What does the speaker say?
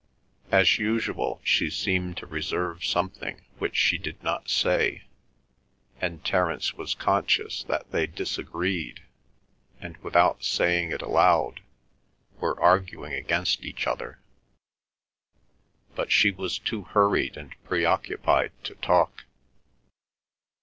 As usual she seemed to reserve something which she did not say, and Terence was conscious that they disagreed, and, without saying it aloud, were arguing against each other. But she was too hurried and pre occupied to talk.